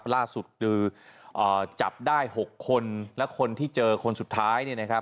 ล่าสุดจับได้๖คนและคนที่เจอคนสุดท้าย